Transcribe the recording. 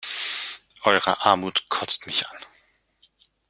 Eure Armut kotzt mich an!